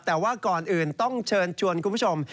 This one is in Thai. แต่ว่าก่อนอื่นต้องเชิญชวนคุณผู้ชม